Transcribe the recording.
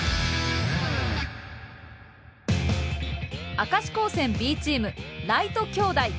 明石高専Ｂチーム「明兄弟」。